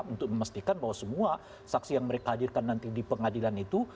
untuk memastikan bahwa semua saksi yang mereka hadirkan nanti di pengadilan itu